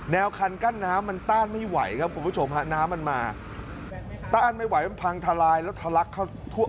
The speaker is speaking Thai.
คันกั้นน้ำมันต้านไม่ไหวครับคุณผู้ชมฮะน้ำมันมาต้านไม่ไหวมันพังทลายแล้วทะลักเข้าทั่ว